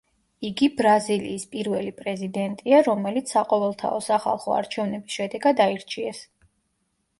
იგი ბრაზილიის პირველი პრეზიდენტია, რომელიც საყოველთაო სახალხო არჩევნების შედეგად აირჩიეს.